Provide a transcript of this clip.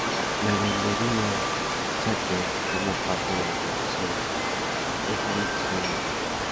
La Galería Sackler forma parte de la Institución Smithsonian.